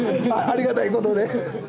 ありがたいことで。